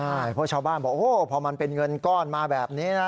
ใช่เพราะชาวบ้านบอกโอ้โหพอมันเป็นเงินก้อนมาแบบนี้นะ